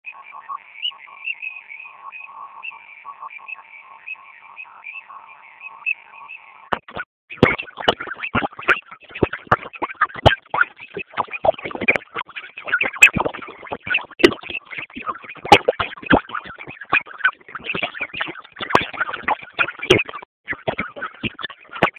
mkutano wa viongozi hao wa sudan uliongozwa na waziri mkuu wa ethiopia